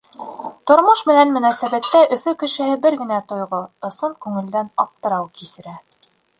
Тормош менән мөнәсәбәттә Өфө кешеһе бер генә тойғо — ысын күңелдән аптырау кисерә.